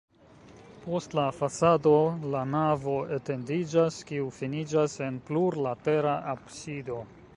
Post la fasado la navo etendiĝas, kiu finiĝas en plurlatera absido.